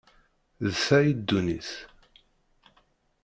D ta i ddunit.